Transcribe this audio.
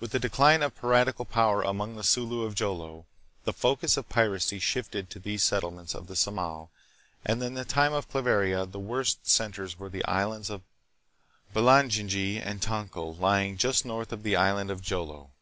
With the de cline of piratical power among the Sulu of Jolo, the focus of piracy shifted to these settlements of the Samal, and in the time of Claveria the worst centers were the islands of Balangingi and Tonkil, lying just north of the island of Jolo.